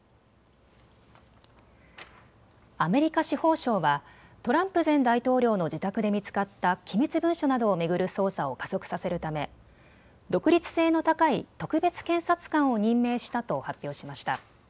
アメリカ司法省はトランプ前大統領の自宅で見つかった機密文書などを巡る捜査を加速させるため独立性の高い特別検察官を任命したと発表しました。